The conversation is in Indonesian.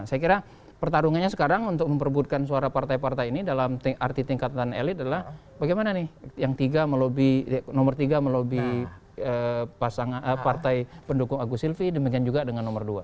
saya kira pertarungannya sekarang untuk memperbutkan suara partai partai ini dalam arti tingkatan elit adalah bagaimana nih yang tiga nomor tiga melobi partai pendukung agus silvi demikian juga dengan nomor dua